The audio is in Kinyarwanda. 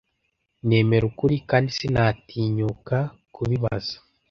Nemera Ukuri kandi sinatinyuka kubibaza,